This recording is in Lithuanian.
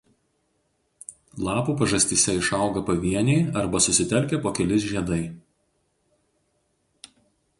Lapų pažastyse išauga pavieniai arba susitelkę po kelis žiedai.